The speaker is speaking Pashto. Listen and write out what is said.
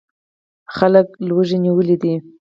خلک لوږې نیولي دي.